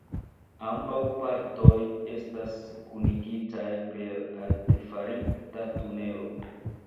Ambaŭ partoj estas kunigitaj per artefarita tunelo.